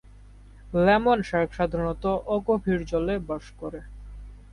Lemon shark সাধারণত অগভীর জলে বাস করে।